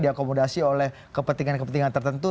diakomodasi oleh kepentingan kepentingan tertentu